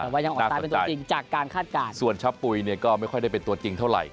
แต่ว่ายังออกซ้ายเป็นตัวจริงจากการคาดการณ์ส่วนชะปุ๋ยเนี่ยก็ไม่ค่อยได้เป็นตัวจริงเท่าไหร่